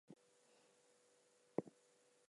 They are quite worn out; Marmee must have a new pair.